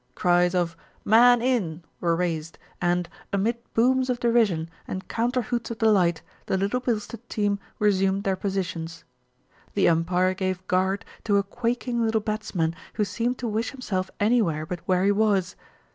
Cries of "Man in I" were raised and, amid booms of derision and counter hoots of delight, the Little Bil stead team resumed their positions. The umpire gave "guard" to a quaking little bats man, who seemed to wish himself anywhere but where he was.